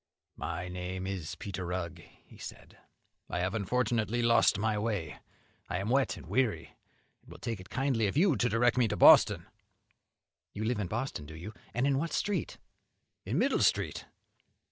"My name is Peter Rugg," said he; "I have unfortunately lost my way; I am wet and weary, and will take it kindly of you to direct me to Boston." "You live in Boston, do you, and in what street?" "In Middle Street."